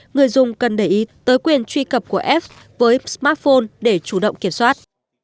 người dùng cần để ý tới quyền truy cập của f với smartphone để chủ động kiểm soát